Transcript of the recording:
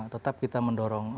tetap kita mendorong